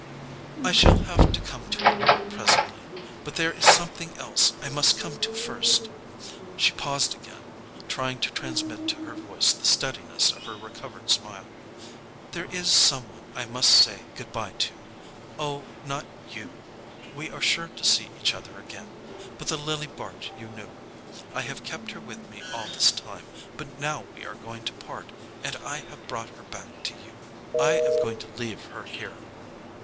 "I shall have to come to it—presently. But there is something else I must come to first." She paused again, trying to transmit to her voice the steadiness of her recovered smile. "There is some one I must say goodbye to. Oh, not YOU—we are sure to see each other again—but the Lily Bart you knew. I have kept her with me all this time, but now we are going to part, and I have brought her back to you—I am going to leave her here.